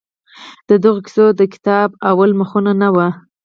د دغو کیسو د کتاب لومړي مخونه نه وو؟